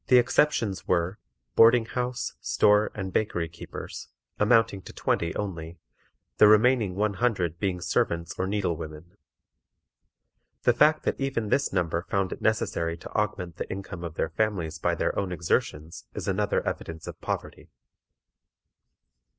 The exceptions were, boarding house, store, and bakery keepers, amounting to twenty only, the remaining one hundred being servants or needle women. The fact that even this number found it necessary to augment the income of their families by their own exertions is another evidence of poverty.